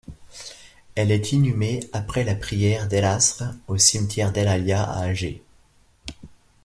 Elle est inhumée après la prière d’El-Asr au cimetière d’El-Alia à Alger.